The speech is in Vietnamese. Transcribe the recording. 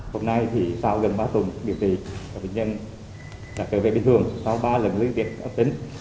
hôm nay thì sau gần ba tuần điều trị bệnh nhân đã trở về bình thường sau ba lần liên tiếp âm tính